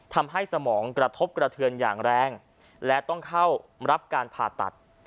สมองกระทบกระเทือนอย่างแรงและต้องเข้ารับการผ่าตัด